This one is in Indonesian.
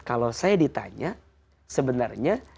kalau saya ditanya sebenarnya